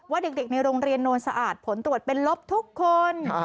เด็กในโรงเรียนโนนสะอาดผลตรวจเป็นลบทุกคน